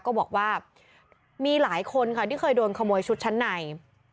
ก็บอกว่ามีหลายคนค่ะที่เคยโดนขโมยชุดชั้นใน